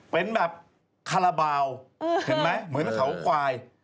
เป็นแบบคาราบาวเหมือนเขาควาย